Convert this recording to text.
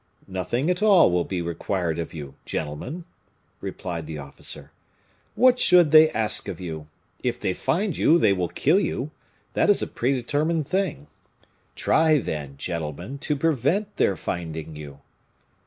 "Nothing at all will be required of you, gentlemen," replied the officer "what should they ask of you? If they find you they will kill you, that is a predetermined thing; try, then, gentlemen, to prevent their finding you."